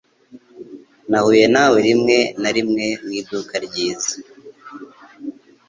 Nahuye nawe rimwe na rimwe mu iduka ryiza.